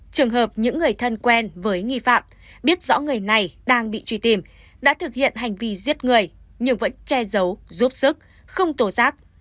trường hợp những người thân quen với nghi phạm biết rõ người này đang bị truy tìm đã thực hiện hành vi giết người nhưng vẫn che giấu giúp sức không tổ giác